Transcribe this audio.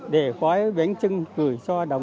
để có bánh trưng gửi cho